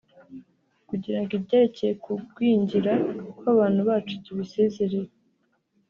kugira ngo ibyerekeye kugwingira kw’abana bacu tubisezerere”